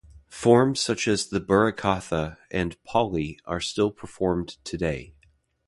Forms such as the "Burra katha" and "Poli" are still performed today.